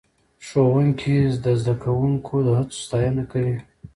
ښوونکی زده کوونکي د هڅو ستاینه کوي